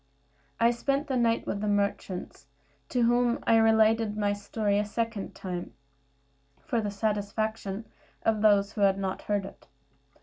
I spent the night with the merchants, to whom I related my story a second time, for the satisfaction of those who had not heard it.